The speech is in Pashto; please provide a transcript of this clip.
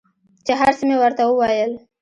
چې هر څه مې ورته وويل.